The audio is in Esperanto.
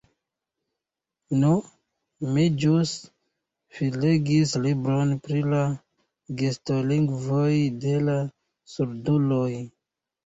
Nu, mi ĵus finlegis libron pri la gestolingvoj de la surduloj.